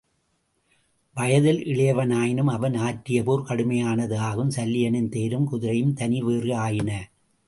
வயதில் இளையவனாயினும் அவன் ஆற்றிய போர் கடுமையானது ஆகும் சல்லியனின் தேரும் குதிரையும் தனிவேறு ஆயின.